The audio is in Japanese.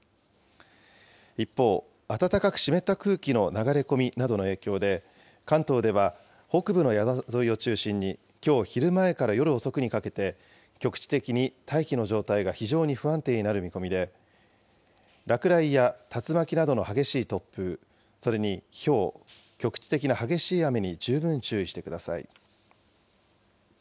一方、暖かく湿った空気の流れ込みなどの影響で、関東では北部の山沿いを中心にきょう昼前から夜遅くにかけて、局地的に大気の状態が非常に不安定になる見込みで、落雷や竜巻などの激しい突風、それにひょう、局地的な激しい雨に十分注意してください。